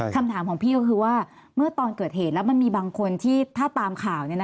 คำถามของพี่ก็คือว่าเมื่อตอนเกิดเหตุแล้วมันมีบางคนที่ถ้าตามข่าว